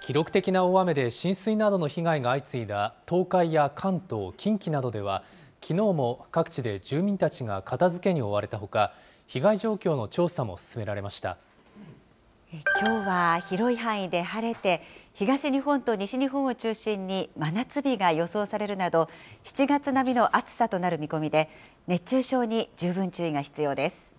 記録的な大雨で浸水などの被害が相次いだ東海や関東、近畿などでは、きのうも各地で住民たちが片づけに追われたほか、きょうは広い範囲で晴れて、東日本と西日本を中心に真夏日が予想されるなど、７月並みの暑さとなる見込みで、熱中症に十分注意が必要です。